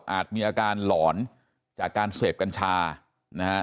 มีอาการหลอนจากการเสพกัญชานะฮะ